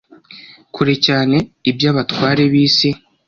kure cyane iby’abatware b’isi